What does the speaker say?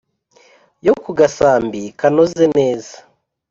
yo ku gasambi kanoze neza